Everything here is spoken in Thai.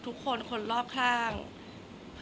แต่ขวัญไม่สามารถสวมเขาให้แม่ขวัญได้